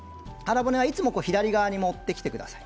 いつも左側に持ってきてください。